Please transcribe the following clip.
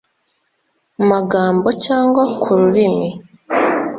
magambo cyangwa ku rurimi